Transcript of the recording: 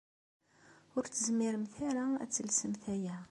Ur tezmiremt ara ad telsemt aya.